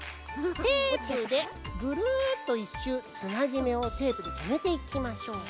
テープでぐるっと１しゅうつなぎめをテープでとめていきましょう。